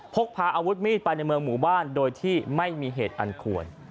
พกพาอาวุธมีดไปในเมืองหมู่บ้านโดยที่ไม่มีเหตุอันควร